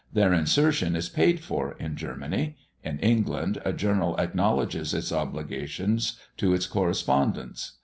Their insertion is paid for in Germany; in England a journal acknowledges its obligations to its correspondents.